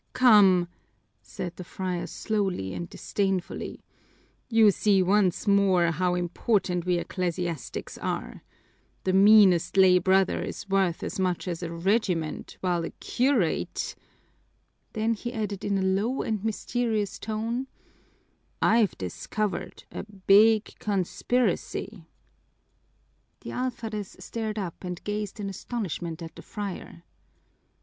"Come," said the friar slowly and disdainfully, "you see once more how important we ecclesiastics are. The meanest lay brother is worth as much as a regiment, while a curate " Then he added in a low and mysterious tone, "I've discovered a big conspiracy!" The alferez started up and gazed in astonishment at the friar.